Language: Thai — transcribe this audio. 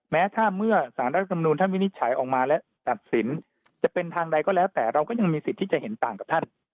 แม้ถ้าเมื่อสารรัฐธรรมนูลท่านวินิจฉัยออกมาและตัดสินจะเป็นทางใดก็แล้วแต่เราก็ยังมีสิทธิ์ที่จะเห็นต่างกับท่าน